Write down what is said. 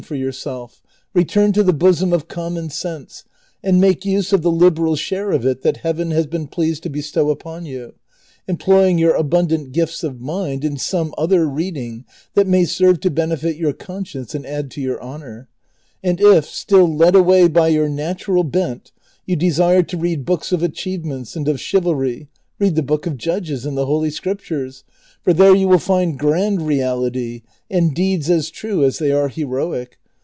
419 for yourself, return to the bosom of common sense, and make use of the liberal share of it that Heaven has been pleased to bestow upon you, employing your abundant gifts of mind in some other reading that may serve to benefit your conscience and add to your honor. And if, still led away by your natural bent, yoii desire to read books of achievements and of chivalry, read the Book of Judges in the Holy Scriptures, for there you will find grand reality, and deeds as true as they are heroic.